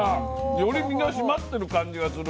より身が締まってる感じがする。